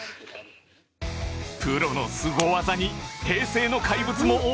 プロのすご技に平成の怪物も思わず